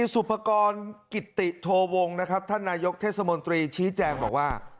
สุภกรกิตติโทวงนะครับท่านนายกเทศมนตรีชี้แจงบอกว่า